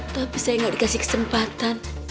tapi saya nggak dikasih kesempatan